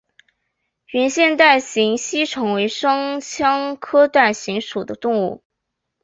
圆腺带形吸虫为双腔科带形属的动物。